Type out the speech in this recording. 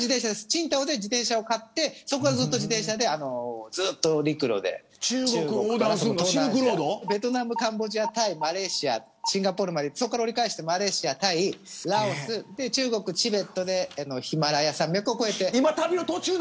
チンタオで自転車を買ってそこから自転車でずっと陸路で、ベトナムカンボジア、タイ、マレーシアシンガポールまでそこから折り返してマレーシア、タイ、ラオス、中国チベットでヒマラヤ山脈を越えて。